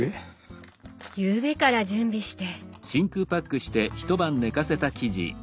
ゆうべから準備して。